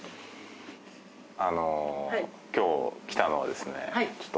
あの今日来たのはですねちょっと。